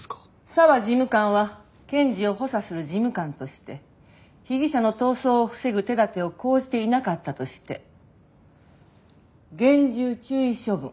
沢事務官は検事を補佐する事務官として被疑者の逃走を防ぐ手立てを講じていなかったとして厳重注意処分。